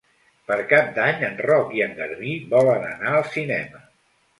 Per Cap d'Any en Roc i en Garbí volen anar al cinema.